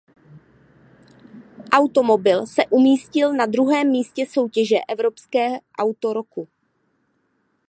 Automobil se umístil na druhém místě soutěže Evropské auto roku.